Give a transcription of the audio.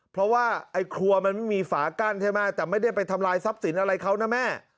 เพราะว่าไอ้ครัวมันไม่มีฝากั้นใช่ไหมแต่ไม่ได้ไปทำลายทรัพย์สินอะไรเขานะแม่